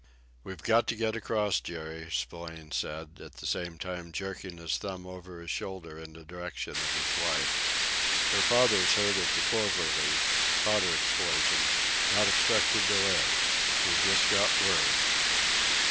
"We've got to get across, Jerry," Spillane said, at the same time jerking his thumb over his shoulder in the direction of his wife. "Her father's hurt at the Clover Leaf. Powder explosion. Not expected to live. We just got word."